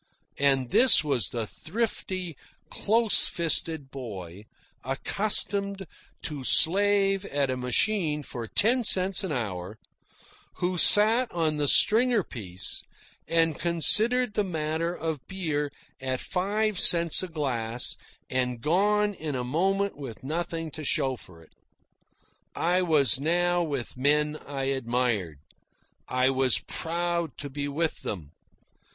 And this was the thrifty, close fisted boy, accustomed to slave at a machine for ten cents an hour, who sat on the stringer piece and considered the matter of beer at five cents a glass and gone in a moment with nothing to show for it. I was now with men I admired. I was proud to be with them.